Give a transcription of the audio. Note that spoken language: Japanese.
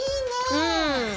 うん。